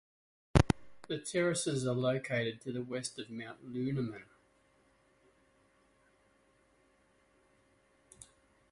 The terraces are located to the West of Mount Lunaman.